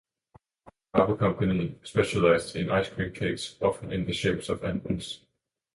The Carvel company specialized in ice cream cakes, often in the shapes of animals.